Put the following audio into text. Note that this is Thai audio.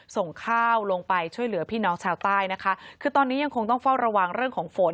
ส่งข้าวลงไปช่วยเหลือพี่น้องชาวใต้นะคะคือตอนนี้ยังคงต้องเฝ้าระวังเรื่องของฝน